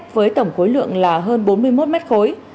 với tổng khối lượng là hơn bốn mươi một mét khối